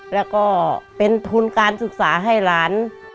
แล้วก็เป็นทุนการศึกษาให้หลาน